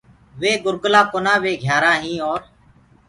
وي گُرگلآ ڪونآ وي گھيآرآ هينٚ اور